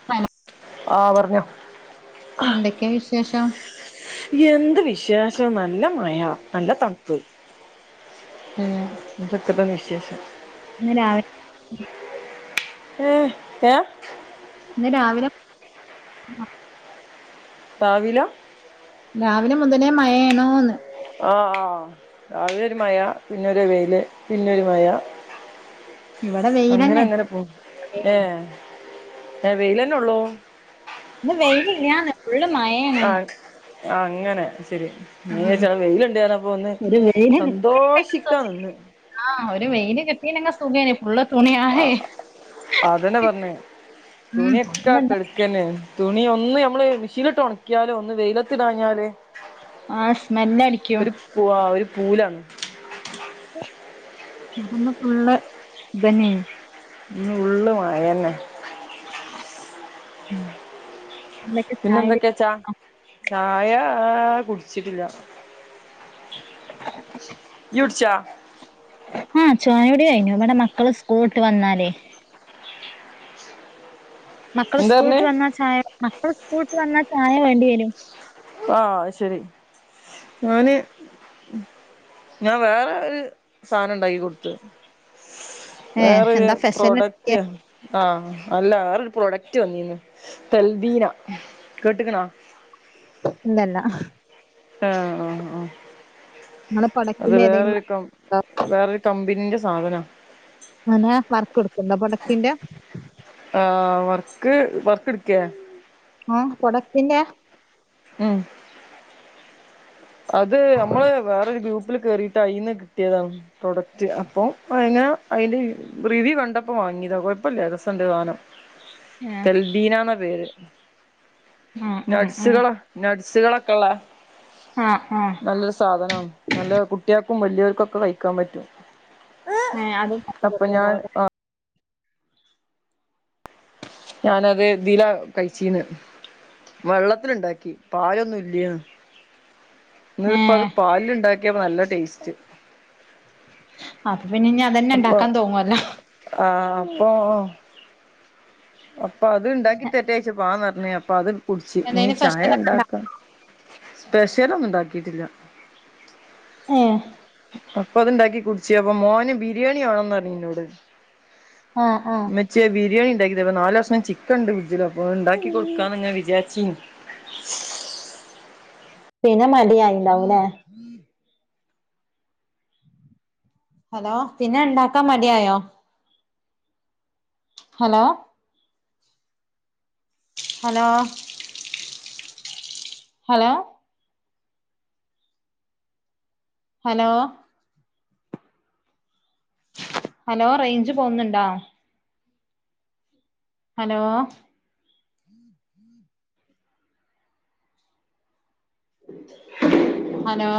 [unintelligible] ആഹ് പറഞ്ഞോ. എന്തൊക്കെയാ വിശേഷം എന്ത് വിശേഷം നല്ല മയ നല്ല തണുപ്പ് ഏഹ് എന്തൊക്ക്ണ്ട് വിശേഷം? ഇന്ന്‌ രാവി ഏഹ് ഏഹ് ഇന്ന് രാവിലെ [unintelligible] താവില രാവിലെ മുതലേ മഴയാണോന്ന്? ആഹ് രാവിലൊരു മഴ പിന്നൊരു വെയില് പിന്നൊരു മഴ ഇവിടെ അങ്ങനെ വെയിലെന്നെ അങ്ങനെ പോവും ഏഹ് ഏഹ് വെയ്ലെന്നൊള്ളൂ? ഇന്ന് വെയിലില്ലാന്ന്. ഫുള്ള് മഴേ ആഹ് ആ അങ്ങനെ ശരി ഉം ഞാൻവിചാർച്ച് അവ്ടെ വെയില്ണ്ടാർന്നപ്പൊ ഒന്ന് ഒരു സന്തോഷിക്കാ നിന്ന്. ആഹ് ഒരു വെയില് കിട്ടീനെങ്കി സുഖേയ്ന് ഫുള്ള് തുണി ആ അഴെ അതന്നെ മ് ഫുള്ള്ണ്ട് ന്നെ തുണി ഒന്ന് നമ്മള് മിഷീനിട്ട് ഒണക്കിയാലും ഒന്ന് വെയിലത്തിടാഞ്ഞാല് ആഹ് സ്മെല്ലടിക്കും പുആ ഒരു പൂലാണ് ഞങ്ങക്ക് ഇന്ന് ഫുള്ള് ഇതെന്നെയ്നു. ഇന്ന് ഫുള്ള് മഴന്നെ എന്തൊക്കെ ചായകുടി പിന്നെന്തൊക്കെയാച്ചാ ചായാ കുടിച്ചിട്ടില്ല. ജുട്ച്ചോ? ആഹ് ചായോട കയിഞ്ഞു ഇമ്മടെ മക്കള് സ്കൂളിലട്ട് വന്നാലേ മക്കൾ എന്താ പറഞ്ഞേ സ്കൂളട്ടിൽ വന്ന ചായ മക്കൾ സ്കൂളട്ടിൽ വന്നാ ചായ വേണ്ടിവ വരും. ആന് ശരി ന് ഞാൻ വേറെ ഒരു സാധനം ഉണ്ടാക്ക കൊടുത്ത ഏ വേറരു എന്താ സ്പെഷ്യൽ പ്രോഡക്റ്റ് റ്റ് ആഹ് അല്ല വേറൊരു പ്രോഡക്റ്റ് വന്നീനു. തൽദീന കേട്ട്ക്കുണോ ഇല്ലല്ലാഹ്. ആഹ് ആഹ് ആഹ് നിങ്ങളെ അത് പ്രൊഡക്റ്റിന്റെ ഏതേലും വേറൊരുക്കം വർക്കോ വേറൊ കമ്പിന്റെ സാധന ആനെ വർക്കൊടുക്കുണ്ടോ പടത്തിന്റെ ആ വർക്ക് വർക്ക്ട്ക്കേ? ആഹ് കൊടത്തിന്റെ മം അത് നമ്മള് വേറൊരു ഗ്രൂപ്പില് കേറിയിട്ട് അയി നിന്ന് കിട്ടിയതാണ് പ്രൊഡക്റ്റ് അപ്പം അതിന്റെ റിവ്യൂ കണ്ടപ്പോ വാങ്ങിയതാ കുഴപ്പംല്ല ദസ് സാധനം ഏഹ് തെൽബീനണ പേര് ആഹ് ആഹ് ആഹ് നസ്സുകളാ നട്സുകളൊക്കെ ഉള്ള ആഹ് ആഹ് നല്ലൊരു സാധനം നല്ല കുട്ടികൾക്കും വലിയവർക്കുംക്കെ കഴിക്കാൻ പറ്റും ആഹ് അതും അപ്പൊ ഞാൻ [unintelligible] ആഹ് ഞാനത് ഇതില കഴിച്ചീന്ന് വെള്ളത്തിുണ്ടാക്കി പാലൊന്നും ഇല്ലന്ന് ഇന്നതിപ്പോ അത് ഏഹ് പാലില് ഉണ്ടാക്കിയപ്പോ നല്ല ടേസ്റ്റ് അപ്പ പിന്നെ ഇനി അതന്നെ അപ്പൊ ഉണ്ടാക്കാൻ തോന്നുവല്ലോ ആഹ് അപ്പൊ അപ്പൊ അത് ഉണ്ടാക്കി തെരൊന്ച്ച പാന്ന് പറഞ്ഞ അപ്പൊ അത് കുടിച്ച് നീ എന്തേലും ചായ സ്പെഷ്യലൊക്കെ ഇണ്ടോ ഉണ്ടാക്കും സ്പെഷ്യലും ഉണ്ടാക്കിയിട്ടില്ല ഏഹ് അപ്പൊ അത്ണ്ടാക്കി കുടിച്ച അപ്പൊ മോന് ബിരിയാണി മാണംന്ന് പറഞ്ഞ നിന്നോട് ആഹ് ആഹ് ചേ ബിരിയാണി ഉണ്ടാക്കിയത് അപ്പ നല് കഷണം ചിക്കൻ ഉണ്ട്ജില അപ്പൊ ഉണ്ടാക്കി കൊടുക്കാന്ന്ങ്ങാ വിചാരിച്ച ഉ പിന്നെ മടിയായില്ലാവനെ ഹലോ പിന്നെ ഉണ്ടാക്കാ മതിയായോ hello hello hello hello hello range പോകുന്നുണ്ടോ ഹലോ ഉം ഹലോ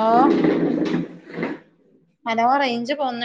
ഹലോ റേഞ്ച് പോകുന്നുണ്ട്